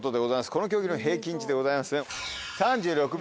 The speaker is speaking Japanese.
この競技の平均値でございます。